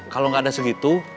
kalo gak ada segitu